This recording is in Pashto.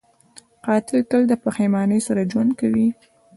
قاتل تل د پښېمانۍ سره ژوند کوي